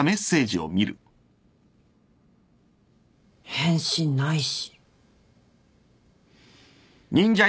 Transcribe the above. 返信ないし。